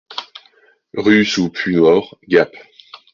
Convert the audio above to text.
Rue sous Puymaure, Gap